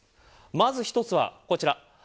まず１つは、こちら。